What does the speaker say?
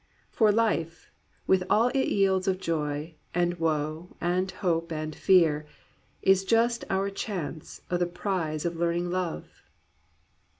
"For life, with all it yields of joy and woe And hope and fear, ... Is just our chance o' the prize of learning love."